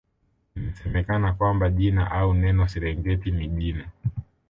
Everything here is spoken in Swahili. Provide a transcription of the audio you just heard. Inasemekana kwamba jina au neno Serengeti ni jina